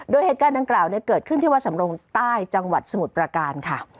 โดยเหตุการณ์ดังกล่าวเกิดขึ้นที่วัดสำรงใต้จังหวัดสมุทรประการค่ะ